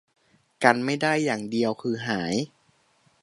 กันไม่ได้อย่างเดียวคือหาย